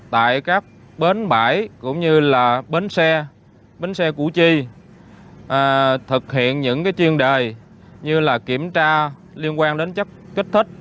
tại các bến bãi cũng như là bến xe củ chi thực hiện những chuyên đề như kiểm tra liên quan đến chất kích thích